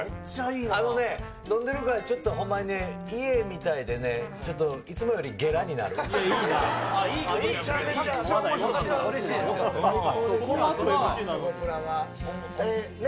あのね、飲んでるからちょっとほんまにね、家みたいでね、ちょっと、いいね。